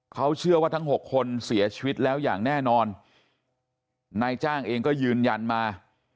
เขาเชื่อว่าทั้ง๖คนเสียชีวิตแล้วอย่างแน่นอนนายจ้างเองก็ยืนยันมา